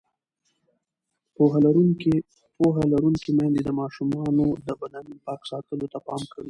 پوهه لرونکې میندې د ماشومانو د بدن پاک ساتلو ته پام کوي.